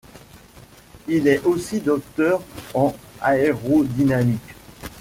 Il est aussi docteur en aérodynamique.